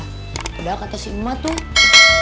padahal kata si uma tuh